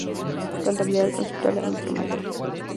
Contabilidad conceptual e instrumental.